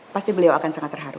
pasti beliau akan sangat terharu